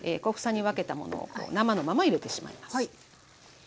小房に分けたものを生のまま入れてしまいます。